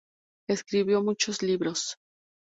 Escribió muchos libros.